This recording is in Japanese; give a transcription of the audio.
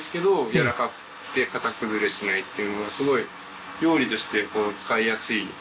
やわらかくって型崩れしないっていうのがすごい料理として使いやすい。